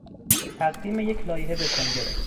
تقدیم یک لایحه به کنگره